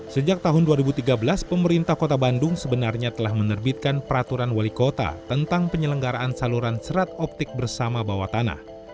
sejak tahun dua ribu tiga belas pemerintah kota bandung sebenarnya telah menerbitkan peraturan wali kota tentang penyelenggaraan saluran serat optik bersama bawah tanah